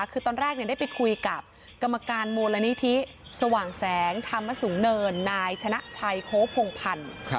คือตอนแรกได้ไปคุยกับกรรมการมูลนิธิสว่างแสงธรรมสูงเนินนายชนะชัยโค้พงพันธ์